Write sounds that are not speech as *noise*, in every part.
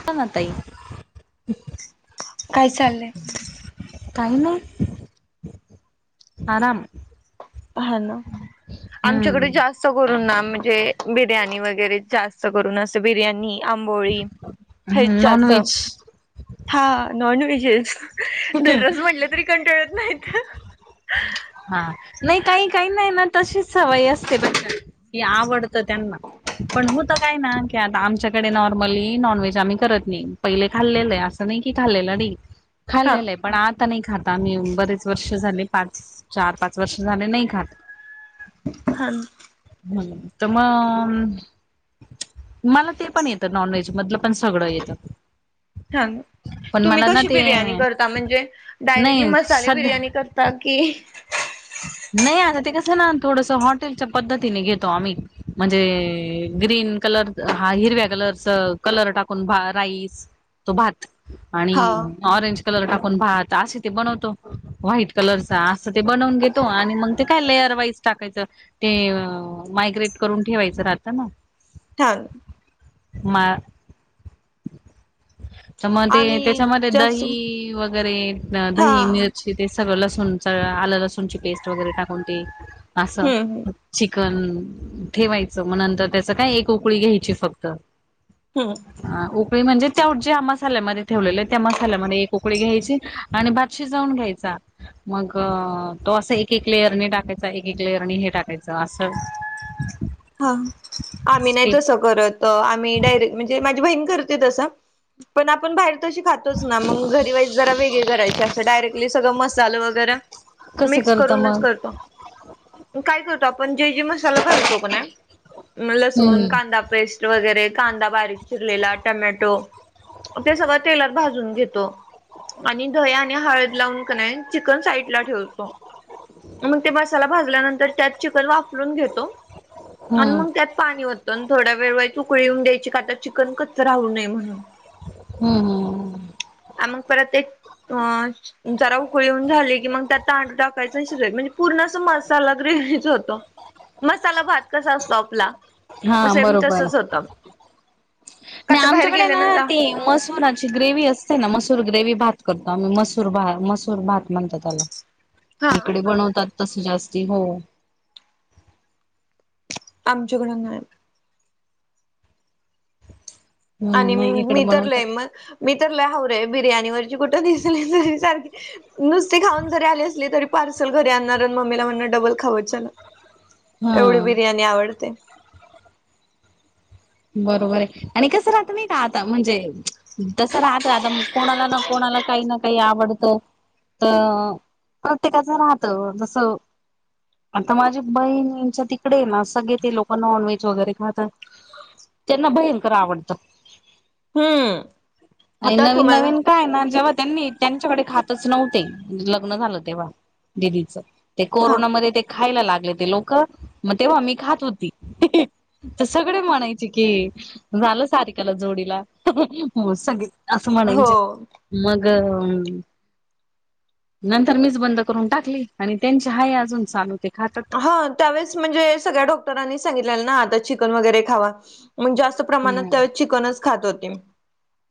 बोला ना ताई. काय चाललंय? काही ना आराम. ह ना आमच्याकडे हम्म जास्त अस करून ना म्हणजे बिर्याणी वगैरे जास्त करून असं बिर्याणी आंबोळी हे नॉन जास्त अस व्हेज. हा नॉन व्हेज च दररोज म्हटलं तरी कंटाळत नाहीत. हा नाही काही काही नाही ना तशीच सवय असते की आवडतं त्यांना. पण होत काय ना की आता आमच्याकडे नॉर्मली नॉनव्हेज आम्ही करत नाही. पहिले खाल्लेलं आहे असं नाही की खाल्लेलं नाही. हा खाल्लेलं आहे पण आता नाही खाताआम्ही बरेच वर्ष झाले पाच चार पाच वर्ष झाले नाही खात. हा ना. ह तर मग. मला ते पण येतं नॉन व्हेज मधलं पण सगळं येतं सांगा पण तुम्ही मला ना कशी ते बिर्याणी करता म्हणजे डायरेक्टली नाही मसाले सध्या बिर्याणी कर काकी नाही आता ते कसं ना थोडस हॉटेलच्या पद्धतीने घेतो आम्ही म्हणजे ग्रीन कलर हा हिरव्या कलरचा कलर टाकून राईस तो भात आणि हा ऑरेंज कलर टाकून भात असे ते बनवतो व्हाईट कलर अस ते बनवून घेतो. आणि मग ते काय लेअर वाईज टाकायचंअसत ते मायग्रेट करून ठेवायचं राहत ना. हा मा तर मग ते आम्ही त्याच्यामध्ये जास्त दही वगैरे हा दही मिरची तिथे सगळं लसूणचं आलं लसूणची पेस्ट वगैरे टाकून ते असं हम्म हम्म चिकन ठेवायचं मग नंतर त्याचं काय एक उकळी घ्यायची फक्त हम्म ह उकळी म्हणजे त्या ज्या मसाल्यामध्ये ठेवलेले त्या मसाल्यामध्ये एक उकळी घ्यायची आणि भात शिजवून घ्यायचा मग तो असं एक एक लेअरने टाकायचा एक एक लेअरने हे टाकायचं असं *inaudible* हा आम्ही नाही तसं स्टेप करत आम्ही डायरेक्ट म्हणजे माझी बहीण करते तसं पण आपण बाहेर तशी खात तोच ना मग घरी वाईस जरा वेगळी करायची असं डायरेक्टली सगळ मसाला वगैरा कसं मिक्स करता करूनच मग करतो काय करतो आपण जे जे मसाला घालतो क नाही लसूण हम्म कांदा पेस्ट वगैरे कांदा बारीक चिरलेला टमॅटो ते सगळं तेलात भाजून घेतो आणि दही आणि हळद लावून का नाही चिकन साईडला ठेवतो मग ते मसाला भाजल्यानंतर. त्यात चिकन वाफलून घेतो. अण हम्म मग त्यात पाणी ओतो. आणि थोड्या वेळ वईस उकळी येऊन द्यायची. का त चिकन कच्च राहू नये म्हणून. हम्म हम्म. आ मग परत एक अ जरा उकळी येऊन झाली की, मग त्यात तांदूळ टाकायचं. अण शिजवायचं. म्हणजे पूर्ण असं मसाला ग्रेव्हीचं होतो. मसाला भात कसा असतो आपला. हा सेम बरोबर. तसच होत. का नाही तर बाहेर आमच्याकडे ना, गेल्यानंतर ते मसुराची ग्रेव्ही अस कसय ना. मसूर ग्रेवी भात करतो आम्ही. मसूर भा मसूर भात म्हणता त्याला. हा इकडे बनवतात. तसे जास्ती. हो. आमच्याकड नाय. हम्म आणि नाही इकडे मी तर लय, बनवतात म मी तर लय हावरय बिर्याणी वरची. कुठं दिसेल तरी सारखी नुसती खाऊन जरी आले असली. तरी पार्सल घरी आणणार. आणि मम्मीला म्हणणार डबल खाऊया चला. हा एवढी बिर्याणी आवडते. बरोबरे. आणि कसं राहत नाही का आता. म्हणजे तस राहतं. आता कोणाला ना कोणाला. काही ना काही आवडतं. त. प्रत्येकाचं राहत तस. आता माझी बहिणीच्या तिकडेय ना. सगळे ते लोक नॉन व्हेज वगैरे खातात. त्यांना भयंकर आवडतं. हम्म. आणि आता नवीन तुम्हाला नवीन काये ना. जेव्हा त्यांनी. त्यांच्याकडे खातच नव्हते. लग्न झालं तेव्हा. दिदीचं. ते हा कोरोनामध्ये ते खायला लागले. ते लोक. म तेव्हा मी खात होती. त सगळे म्हणायचे की, झालं सारिकाला जोडीला. हो सगळे असं हो म्हणायचे. मग नंतर मीच बंद करून टाकली. आणि त्यांच्या हाये अजून चालू ते खातात. हा. त्यावेळेस म्हणजे, सगळ्या डॉक्टरांनी सांगितलेलं ना. आता चिकन वगैरे खावा. म जास्त प्रमाणात त्यावेळी चिकनच खात होते.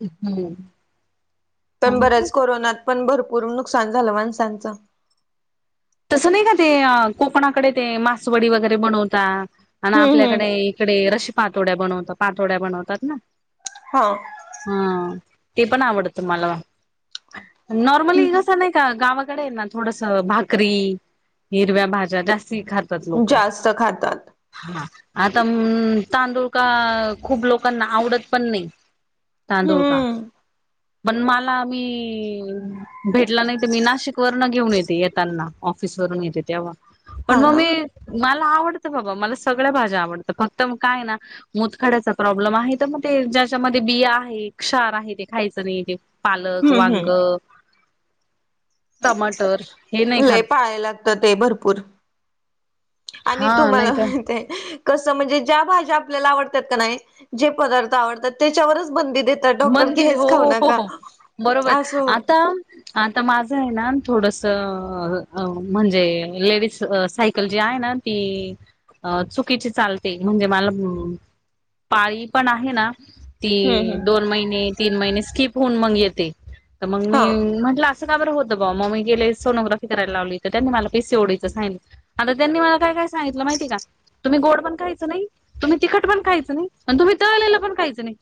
अं हं *unintelligible* पण बऱ्याच कोरोनात पण भरपूर नुकसान झालं. माणसांचं. तसं नाही का? ते, कोकणाकडे ते, मासवडी वगैरे बनवता. आणि हम्म हम्म आपल्याकडे इकडे रशी पातोड्या बनवता. पातोड्या बनवतात ना. हो. हं ते पण आवडत मला. नॉर्मली तस नाही. गावाकडेय ना. थोडस भाकरी. हिरव्या भाज्या जास्ती खात त्यात लोक. जास्त खातात हा. आता अम्म तांदूळका खूप लोकांना, आवडत पण नाही. तांदूळ का. हम्म पण मला मी भेटला नाही त. मी नाशिक वर्ण घेऊन येते. येताना. ऑफिस वरून येते तेव्हा. पण हा मग ना मी मला आवडतं बाबा. मला सगळ्या भाज्या आवडतं. फक्त म काय ना. मतखाड्याचा प्रॉब्लेम आहे त. म ते ज्याच्यामध्ये बिया आहे. क्षार आहे. ते खायचं नाही ते. पालक, हम्म वांग, हम्म टमाटर. हे नाही लय खात पाळाय लागत ते भरपूर. आणि हा नाही तुम्हाला तर माहिते कस म्हणजे, ज्या भाज्या आपल्याला आवडतात का नाही. जे पदार्थ आवडतात. त्याच्यावरच बंदी दे बंदी. हो बरोबर. असं होत आता आता माझंय ना. थोडस म्हणजे लेडीज सायकल जी आहे ना. ती अ चुकीची चालते. म्हणजे मला पाळी पण आहे ना. ती हम्म हम्म दोन महिने. तीन महिने. स्किप होऊन मग येते. त मग हा मी म्हटलं अस काबरं होतं बा. म मी गेले सोनोग्राफी करायला लावली. त त्यांनी मला पेसेओडीच सांगि आता त्यांनी मला काय काय सांगितलं माहिती का तुम्ही गोड पण खायचं नाही तुम्ही तिखट पण खायचं नाही आणि तुम्ही तळलेलं पण खायं नाही.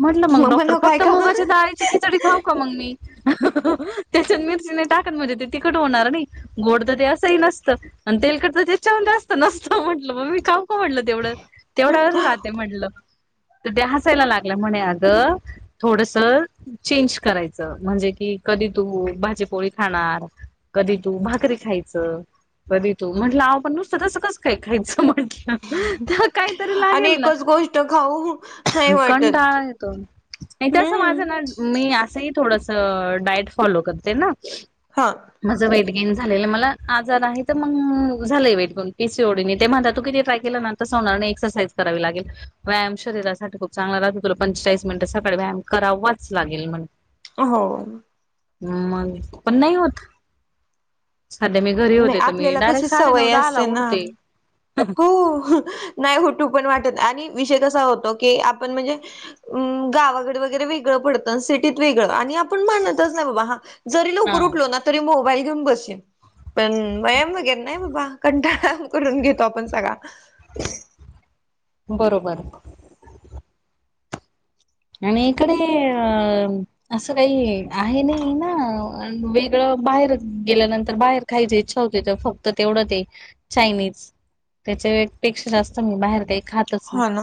म्हटलं मग डॉक्टर म्हणाव काय फक्त का मुगाच्या डळीची खिचडी खाऊ का मग मी. त्याच्यात मिरची नाही टाकत म्हणजे ते तिखट होणार नाही. गोड तर ते असंही नसतं आणि तेलकडच ते छन जास्त नसतं म्हटलं मग मी खऊ. म्हणलं तेवढं तेवढ्यावरच राहते म्हणलं तर त्या हसायला लागल्या म्हणे अग. थोडस चेंज करायचं म्हणजे की कधी तू भाजीपोळी खाणार कधी तू भाकरी खायच. कध तू म्हटलं ह पण नुसतं तसं काच काय खायचं म्हंटलं. ते काहीतरी आणि लागेल ना. एकच गोष्ट खाऊ नाही वाटत येतो त्यास माझ हम्म ना मी असंही थोडस डायट फॉलो करते ना. हां. माझं वेट गेन झालेलं मला आजार आहे तर मग झालंय वेट गेन पीसी ओडीने ते म्हणता तू किती ट्राय केलं ना तस होणार एक्सरसाईज करावी लागेल व्यायाम शरीरासाठी खूप चांगला. तुला पंचेचाळीस मिनट सकाळी व्यायाम करावाच लागेल म्हण. हो. मग पण नाही होत. सध्या मी घरी नाही होते तर मी आपल्याला कशी डायरेक्ट साडे सवय नऊदा आला असते ना उटते. हो नाही उटू पण वाटत आणि विषय कसा होतो की आपण म्हणजे. अम गावाकडे वगैरे वेगळं पडतं सिटीत वेगळं आणि आपण मानतच नाही बाबा हा. जरी हा लवकर उठलो ना. तरी मोबाईल घेऊन बसे पण व्यायाम वगैरे नाही बाबा कंटाळ करून घेत कवा पण सगा. बरोबर. आणि इकडे अ. असं काही आहे नाही ना वेगळं बाहेर गेल्यानंतर बाहेर. खायची इच्छा होते तर फक्त तेवढंच आहे चायनीज त्याच्या पेक्षा जास्त मी बाहेर काही खात हा ना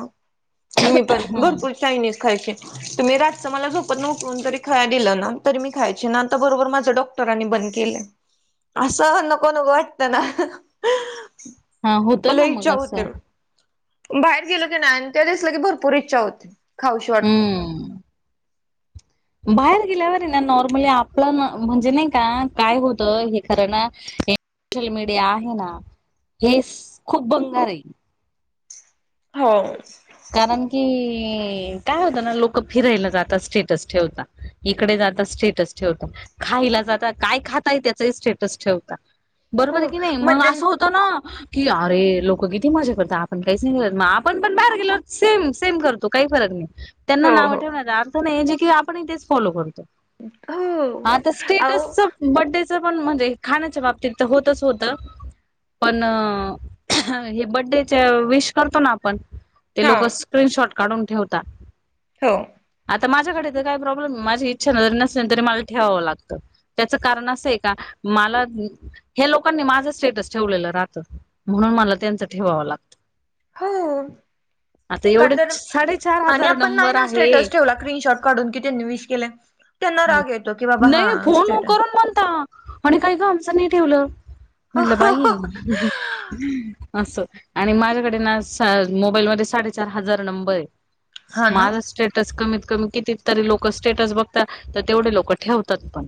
मी पण भरपूर चायनीज खायचे. तुम्ही रातच मला झोपत न उटून तरी खायला दिलं ना तरी मी खायची ना आता बरोबर माझ ड. -रांनी बंद केलं असं नको नको वाटत ना हा होतं ना लय मग इच्छा असं. होते. बाहेर गेल की नाही आणि ते दिसलं की भरपूर इच्छा होते खाऊशी वाटतं. हम. बाहेर गेल्यावर ना नॉर्मली आपलं म्हणजे नाही का काय होतं हे खरं ना सोशल मीडिया आहे ना हे खूप बंगार आहे. हो. कारण की काय होत ना लोक फिरायला जातात स्टेटस ठेवता. इकडे जातात स्टेटस ठेवता खायला जातात काय खाताय त्याचही स्टेटस ठेवता. बरोबर हो आहे की नाही मग मदन असं होतं ना. कि अरे लोक किती मजा करात आपण काहीच नाहीलंत मग आपण पण बाहेर गेलो. सेम सेम करतो काही फरक नाही त्यांना हो नाव हो ठेवणार जे की आपण तेच फॉलो करतो हो. आता अहो स्टेटस बड्डेचं पण म्हणजे खाण्याच्या बाबतीत तर होतच होत. पण हे बड्डेचे विश करतो ना आपण ते हा लोक स्क्रीनशॉट काढून ठेवतात. हो. आता माझ्याकडे तर काही प्रॉब्लेम माझी इच्छा न जरी नसेल तरी मला ठेवावं लागतं. त्याचं कारण असं आहे का मला. ह लोकांनी माझं स्टेटस ठेवलेलं राहतं म्हणून मला त्यांचं ठेवावं लागत हो आता का एवढे तर साडेचार आणि हजार आपण नाही नंबर ना आहे. स्टेटस ठेवला स्क्रीनशॉट काढून कि त्यांनी विश केले ह नाही फोन स्टेटस करून म्हणता आणि काही का आमचं नाही ठेवलं म्हटलं बाई असं आणि माझ्याकडे ना मोबाईल मध्ये साडेचार हजार नंबर आहे हा ना माझ स्टेटस कमीत कमी किती तरी लोक स्टेटस बघ तर तेवढे लोक ठेवतात पण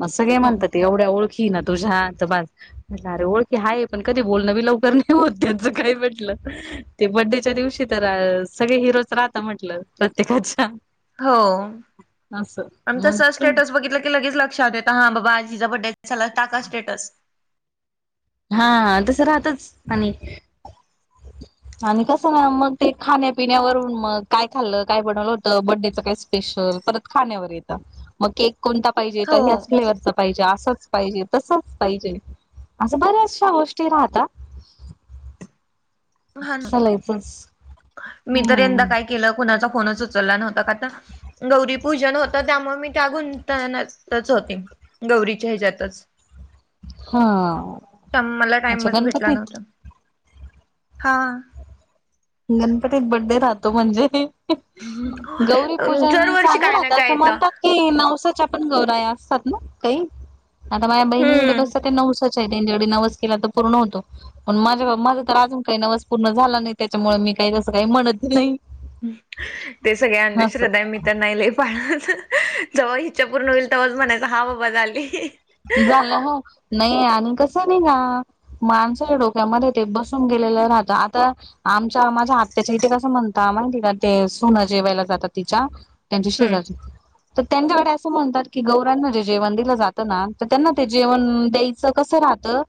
म सग काळे हो म्हणतात ते एवढ्या ओळखी ना तुझ्या बाज म्हट अरे ओळखी हाय पण कधी बोलणं बी लवकर नाही होत त्यांच काय म्हटलं ते बड्डेच्या दिवशी तर सगळे हिरोच राहत म्हटलं प्रत्येकाच्या हो असं आणि तस मग काय स्टेटस बघितलं की लगेच लक्षात येत हां बाबा आजिजा बड््या झाला टा का स्टेटस हा तस राहतच आणि आणि कसं ना मग ते खाण्यापिण्यावरून मग काय खाल्लं काय बनवलं होत बडडेचं काय स्पेशल परत खाण्यावर येत मग के कोणता पाहिजे हो तर ह्याच फ्लेवरच पाहिजे असंच पाहिजे तसंच पाहिजे असं बऱ्याचशा गोष्टी राहतात हा ना चला बस मी तर यंदा काय केलं कुणाचा फोनच उचलला नव्हता का तर गौरीपूजन होतं त्यामुळे मी त्या गुंतणच होती गौरीच्या हच्यातच हा मला अच्छा टाइमच भेटला गणपतीत नव्हता हा गणपतीत बड्डे राहतो म्हणजे गौरीपूजन दरवर्षी चांगलं काय ना राहतं काय असं येतं म्हणतात नवसाच्या पण गौरा असतात ना काही आता माझ्या बहिणीकडे हम्म बसतात ते नवसा ेव नवस केला तर पूर्ण होतो पण माझ माझ तर अजून काही नवस पूर्ण झाला नाही त्याच्यामुळे मी काही तसं काही म्हणत नाही ते सगळ्या असं अंधश्रद्धा मी त्यां नाही ल पाच जव्हा इच्छा पूर्ण होईल तेव्हाच म्हणायच हा बाबा झाली झालं हो नाही आणि कसं नाही का माणसाच्या डोक्यामध्ये ते बसून गेलेलं राहत आता आमच्या माझ्या आत्याच्या इथे कसं म्हणत मा तिला ते सुनं जेवायला जातात तिच्या त्यांच्या हम्म शेजारची तर त्यांच्याकडे असं म्हणतात की गौरां म्हणजे जेवंदीला जातं ना तर त्यांना ते जेवण द्यायचं कसं राहतं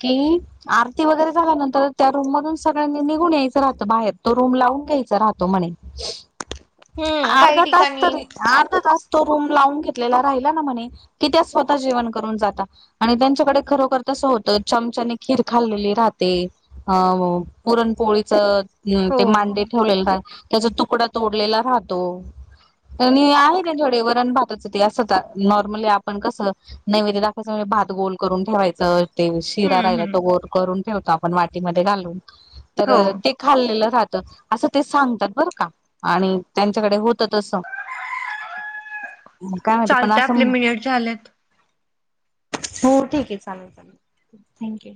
की आरती वगैरे झाल्यानंतर त्या रूम मधून सगळ्यांनी निघून यायचं राहतं बाहेर तो रूम लावून घ्यायचा राहतो म्हणे हम्म अर्ध काही तास ठिकाणी तरी अर्ध तास तो रूम लावून घेतलेला राहिला ना म्हणे की त्या स्वतः जेवण ून जात आणि त्यांच्याकडे खरोखर तस होतं चमचाने खीर खाल्ली राहते अ पुरणपोळीच हो ते मांडे ठेवलेलं त्याचा तुकडा तोडलेला राहतो आणि आहे त्यांच्यावडे वरण भाताचं ते असं नॉर्मली आपण कसं नैवेद्य दाखयचं म्हणजे भात गोल करून ठेवायचं ते शिरा हम्म राहिला हम्म तो गोर करून ठेवतो आपण वाटीमध्ये घालून हो तर खाल्लेलं राहतं असं ते सांगतात बरं का आणि त्यांच्याकडे होत असं पण चालतय असं आपले मिनिट झाल्यात हो ठीक आहे चालेल चालेल थँक्यू